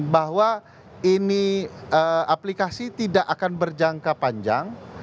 bahwa ini aplikasi tidak akan berjangka panjang